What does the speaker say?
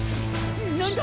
何だ！？